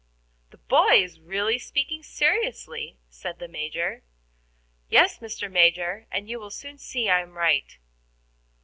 "The boy is really speaking seriously," said the Major. "Yes, Mr. Major, and you will soon see I am right."